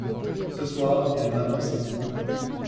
Ce soir elle va danser.